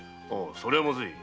それはまずい。